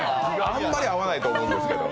あんまり合わないと思いますけど。